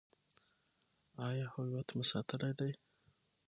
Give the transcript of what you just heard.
آیا هویت مو ساتلی دی؟